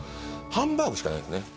ハンバーグしかないんですね